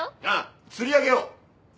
ああ釣り上げよう！